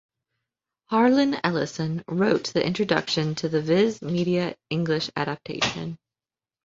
Harlan Ellison wrote the introduction to the Viz Media English Adaptation.